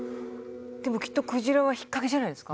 でもきっとクジラは引っ掛けじゃないですか？